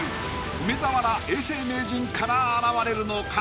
梅沢ら永世名人から現れるのか？